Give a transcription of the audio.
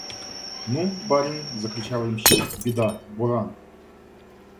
«Ну, барин, – закричал ямщик, – беда: буран!..»